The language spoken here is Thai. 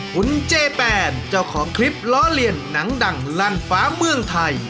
คุณเจแปนเจ้าของคลิปล้อเลียนหนังดังลั่นฟ้าเมืองไทย